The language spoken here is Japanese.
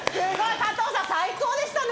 加藤さん最高でしたね。